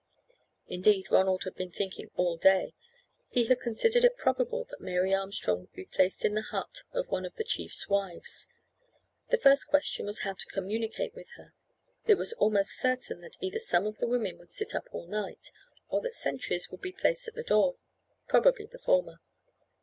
Indeed, Ronald had been thinking all day. He had considered it probable that Mary Armstrong would be placed in the hut of one of the chief's wives. The first question was how to communicate with her. It was almost certain that either some of the women would sit up all night, or that sentries would be placed at the door. Probably the former.